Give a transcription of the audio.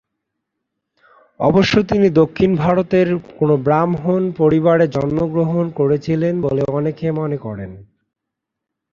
অবশ্য তিনি দক্ষিণ ভারতের কোন ব্রাহ্মণ পরিবারে জন্মগ্রহণ করেছিলেন বলেও অনেকে মনে করেন।